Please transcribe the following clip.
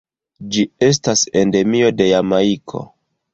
Ĝi estas endemio de Jamajko.